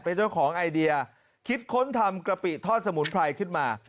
เป็นเจ้าของไอเดียคิดค้นทำกะปิทอดสมุนไพรขึ้นมา